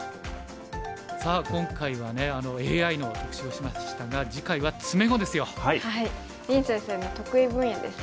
さあ今回はねＡＩの特集をしましたが次回は詰碁ですよ。